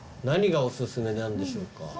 何がお薦めなんでしょうか？